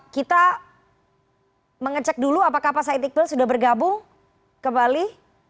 kita mengecek dulu apakah pasai etikbel sudah bergabung ke bali